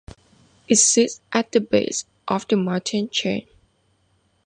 It sits at the base of the mountain chain.